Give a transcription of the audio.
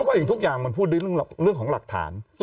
เพราะสิ่งทุกอย่างมันพูดด้วยเรื่องของหลักฐาน